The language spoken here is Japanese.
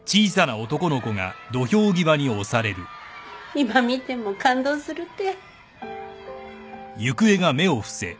今見ても感動するて。